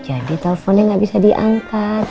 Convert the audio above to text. jadi teleponnya gak bisa diangkat